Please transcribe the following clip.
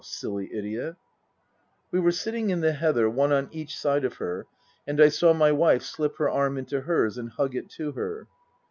Silly idiot !" We were sitting in the heather, one on each side of her, and I saw my wife slip her arm into hers and hug it to her.